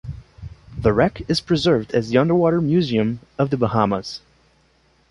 The wreck is preserved as the Underwater Museum of the Bahamas.